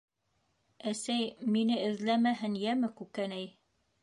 Әсәй... мине эҙләмәһен, йәме, Күкәнәй.